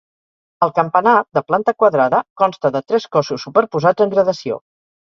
El campanar, de planta quadrada, consta de tres cossos superposats en gradació.